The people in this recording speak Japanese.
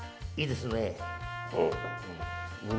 いいですね。